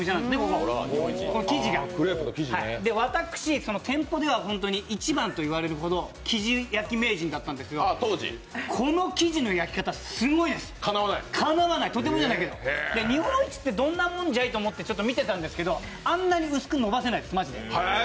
この生地が、私、店頭では一番といわれるほど生地焼き名人だったんですけど、この生地の焼き方、すんごいです、かなわない、とてもじゃないけど、日本一ってどんなもんじゃいっていうことで、ちょっと見てたんですけど、あんなに薄く伸ばせないです、マジで。